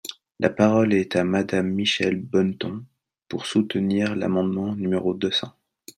La parole est à Madame Michèle Bonneton, pour soutenir l’amendement numéro deux cents.